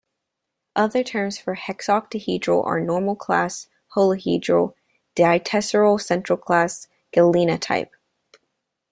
Other terms for hexoctahedral are: normal class, holohedral, ditesseral central class, galena type.